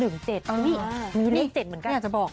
นี่เลข๗เหมือนกัน